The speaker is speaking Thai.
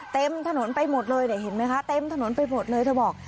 เต็มถนนไปหมดเลยเนี่ยเห็นไหมคะเต็มถนนไปหมดเลยเธอบอก